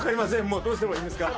もうどうしたらいいんですか？」。